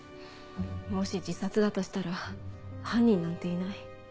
もし自殺だとしたら犯人なんていない。